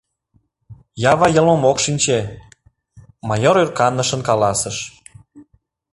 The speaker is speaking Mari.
Ява йылмым ок шинче, — майор ӧрканышын каласыш.